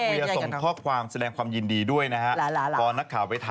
รับเวียร์ส่งข้อความแสดงความยินดีทันด้วยนะครับ